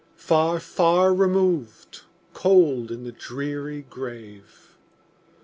Far, far removed, cold in the dreary grave!